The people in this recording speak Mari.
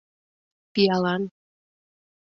«Пиалан!»